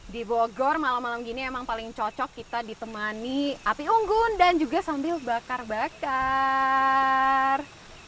di bogor malam malam gini emang paling cocok kita ditemani api unggun dan juga sambil bakar bakar